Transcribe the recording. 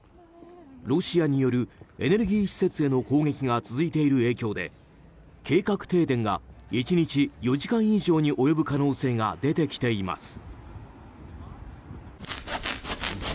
ロシアによるエネルギー施設への攻撃が続いている影響で計画停電が１日４時間以上に及ぶ可能性が出てきています。